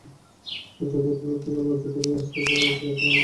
একটা death group থেকে আমরা এতদূর আসতে পারব, সেটা অনেকেই ভাবেনি।